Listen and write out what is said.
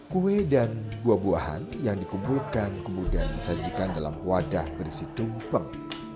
kue dan buah buahan yang dikumpulkan kemudian disajikan dalam wadah berisi tumpeng